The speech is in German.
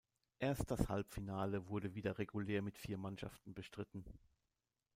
Erst das Halbfinale wurde wieder regulär mit vier Mannschaften bestritten.